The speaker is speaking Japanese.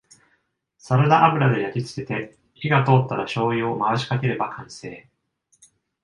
サラダ油で焼きつけて火が通ったらしょうゆを回しかければ完成